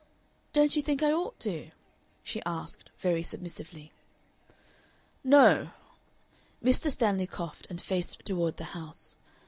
"Don't you think I ought to?" she asked, very submissively. "No." Mr. Stanley coughed and faced toward the house.